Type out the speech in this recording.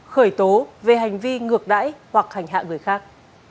khởi tố về hành vi ngược đáy hoặc hành hạ người khác